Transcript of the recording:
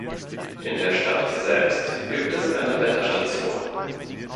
In der Stadt selbst gibt es eine Wetterstation.